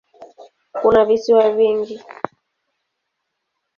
Kuna visiwa vingi.